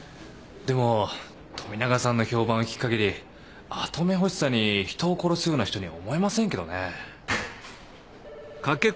でも富永さんの評判を聞くかぎり跡目欲しさに人を殺すような人には思えませんけどね。